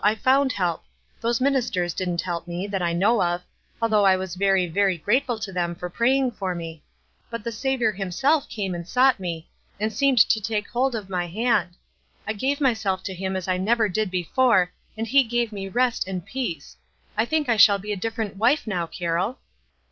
I found help. Those ministers didn't help me, that I know of, though I was very, very grateful to them for praying for me; but the Saviour himself came and sought me, and seemed to take hold of my hand. I gave my self to him as I never did before, and he gave me rest and peace. I think I shall be a differ ent wife now, Carroll."